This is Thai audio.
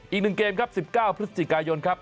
อีก๑เกมครับ๑๙พฤศจิกายนครับ